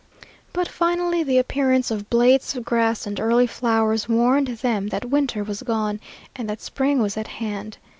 But finally the appearance of blades of grass and early flowers warned them that winter was gone and that spring was at hand.